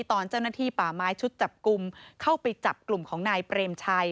ตอนเจ้าหน้าที่ป่าไม้ชุดจับกลุ่มเข้าไปจับกลุ่มของนายเปรมชัย